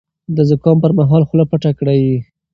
د زکام پر مهال خوله پټه کړئ.